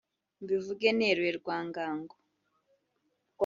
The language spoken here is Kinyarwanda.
Mbivuge neruye Rwangango